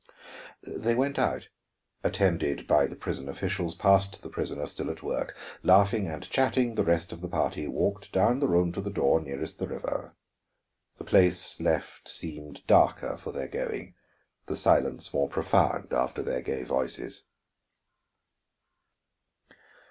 They went out, attended by the prison officials, past the prisoner still at work. Laughing and chatting, the rest of the party walked down the room to the door nearest the river. The place left seemed darker for their going, the silence more profound after their gay voices.